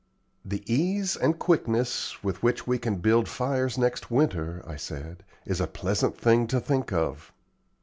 "The ease and quickness with which we can build fires next winter," I said, "is a pleasant thing to think of."